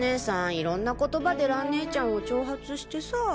いろんな言葉で蘭ねえちゃんを挑発してさ。